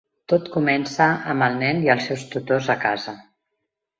Tot comença amb el nen i els seus tutors a casa.